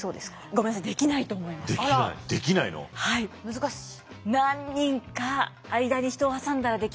難しい。